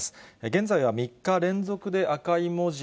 現在は３日連続で赤い文字、